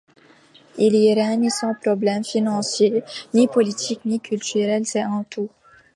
Il y règne sans problèmes financiers, ni politiques, ni culturels, c’est un tout.